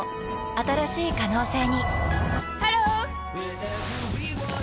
新しい可能性にハロー！